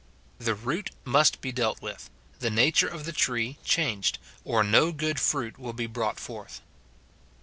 The root must be dealt with, the nature of the tree changed, or no jrood fruit will be brought forth.